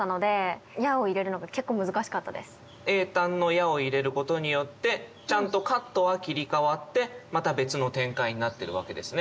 詠嘆の「や」を入れることによってちゃんとカットは切り替わってまた別の展開になってるわけですね。